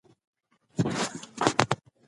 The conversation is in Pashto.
هر ماشوم باید ښوونځي ته ولاړ سي.